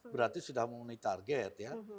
berarti sudah memenuhi target ya